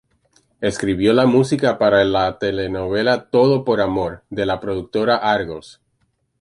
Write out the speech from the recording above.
Escribió la música para la telenovela "Todo por Amor" de la productora Argos.